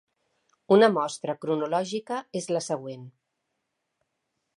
Una mostra cronològica és la següent.